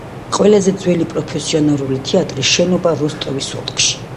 ყველაზე ძველი პროფესიონალური თეატრი, შენობა როსტოვის ოლქში.